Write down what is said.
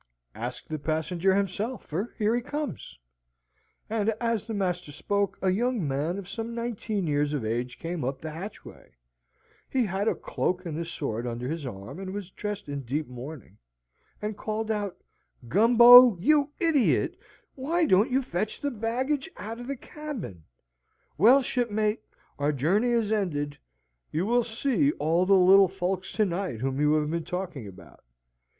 "Ask the passenger himself, for here he comes." And, as the master spoke, a young man of some nineteen years of age came up the hatchway. He had a cloak and a sword under his arm, and was dressed in deep mourning, and called out, "Gumbo, you idiot, why don't you fetch the baggage out of the cabin? Well, shipmate, our journey is ended. You will see all the little folks to night whom you have been talking about.